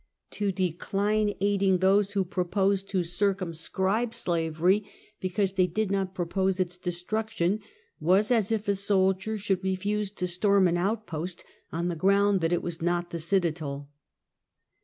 To decline aiding those who Fbee Soil Party. 123 proposed to circumscribe slavery because they did not propose its destruction, was as if a soldier should re fuse to storm an outpost on the ground that it was not the citadel.